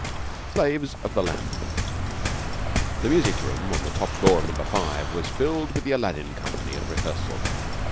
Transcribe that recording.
SLAVES OF THE LAMP The music room on the top floor of Number Five was filled with the "Aladdin" company at rehearsal.